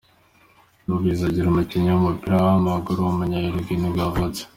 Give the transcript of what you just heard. Luis Aguiar, umukinnyi w’umupira w’amaguru w’umunya Uruguay nibwo yavutse.